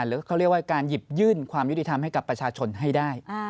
หรือว่าเขาเรียกว่าการหยิบยื่นความยุติธรรมให้กับประชาชนให้ได้